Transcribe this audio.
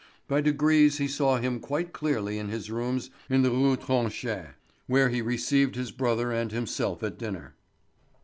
By degrees he saw him quite clearly in his rooms in the Rue Tronchet, where he received his brother and himself at dinner.